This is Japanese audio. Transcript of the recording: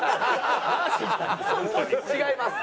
違います。